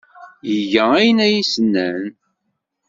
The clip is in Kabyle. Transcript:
Iga ayen ay as-nnan.